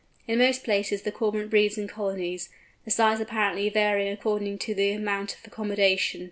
In most places the Cormorant breeds in colonies, the size apparently varying according to the amount of accommodation.